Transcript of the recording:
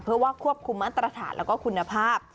เพื่อว่าควบคุมอัตตาฐะและคุณภาพ